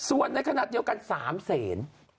ส่วนในขณะเดียวกัน๓แสน